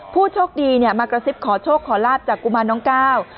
ผู้โชคดีมากระซิบขอโชคขอลาบจากกุมารน้องก้าว